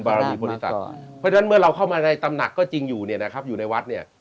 บารมีบริษัทเพราะฉะนั้นเมื่อเราเข้ามาในตำหนักก็จริงอยู่เนี่ยนะครับอยู่ในวัดเนี่ย